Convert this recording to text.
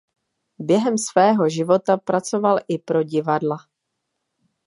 Během svého života pracoval i pro divadla.